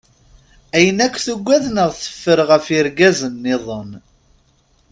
Ayen akk tugad neɣ teffer ɣef yirgazen-nniḍen.